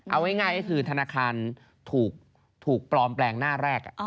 เอาง่ายก็คือธนาคารถูกปลอมแปลงหน้าแรก